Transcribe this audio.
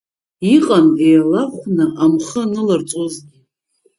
Иҟан еилахәны амхы аныларҵозгьы.